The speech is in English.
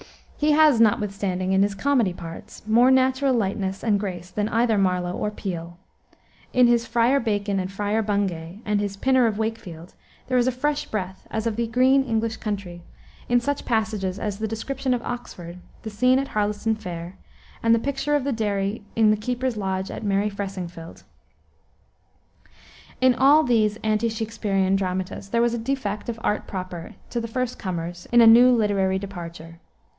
He has, notwithstanding, in his comedy parts, more natural lightness and grace than either Marlowe or Peele. In his Friar Bacon and Friar Bungay, and his Pinner of Wakefield, there is a fresh breath, as of the green English country, in such passages as the description of Oxford, the scene at Harleston Fair, and the picture of the dairy in the keeper's lodge at merry Fressingfield. In all these ante Shaksperian dramatists there was a defect of art proper to the first comers in a new literary departure.